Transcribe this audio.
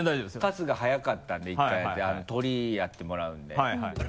春日速かったんで１回じゃあトリやってもらうんで。